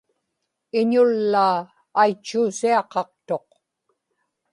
iñullaa aitchuusiaqaqtuq